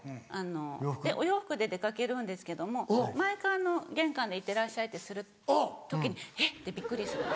お洋服で出掛けるんですけども毎回玄関でいってらっしゃいってする時にえ！ってびっくりするんです。